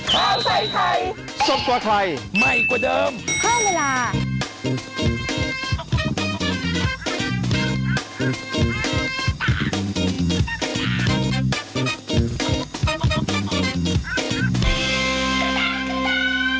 โปรดติดตามตอนต่อไป